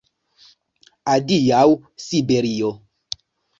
Adiaŭ, Siberio!”